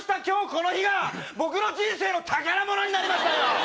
今日この日が僕の人生の宝物になりましたよ！